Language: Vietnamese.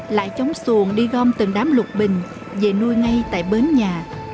lại chống xuồng đi gom từng đám lục bình về nuôi ngay tại bến nhà